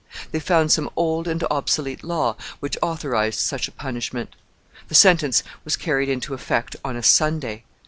They found some old and obsolete law which authorized such a punishment. The sentence was carried into effect on a Sunday.